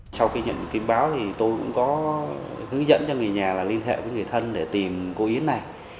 sau khi nhận được tin báo thì tôi cũng có hướng dẫn cho người nhà là liên hệ với người thân để tìm cô yến này